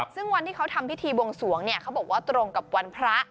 ซึ่งวันที่เขาทำพิธีบวงสวงเนี่ยเขาบอกว่าตรงกับวันพระ